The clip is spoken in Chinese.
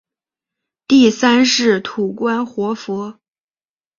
第三世土观活佛。